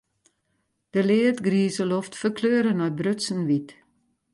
De leadgrize loft ferkleure nei brutsen wyt.